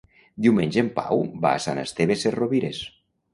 Diumenge en Pau va a Sant Esteve Sesrovires.